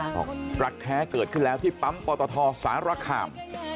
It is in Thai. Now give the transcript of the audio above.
บอกรักแท้เกิดขึ้นแล้วที่ปั๊มปตทสารคาม